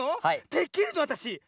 できるのわたし？